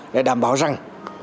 để đảm bảo rằng